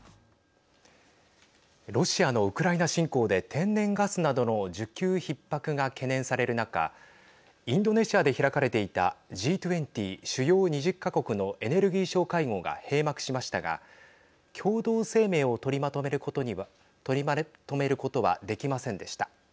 ロシアのウクライナ侵攻で天然ガスなどの需給ひっ迫が懸念される中インドネシアで開かれていたＧ２０＝主要２０か国のエネルギー相会合が閉幕しましたが共同声明を取りまとめることはできませんでした。